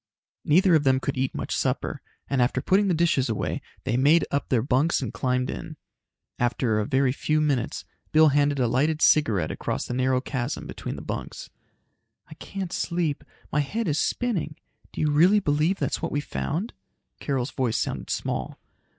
Neither of them could eat much supper and after putting the dishes away, they made up their bunks and climbed in. After a very few minutes, Bill handed a lighted cigarette across the narrow chasm between the bunks. "I can't sleep. My head is spinning. Do you really believe that's what we've found?" Carol's voice sounded small.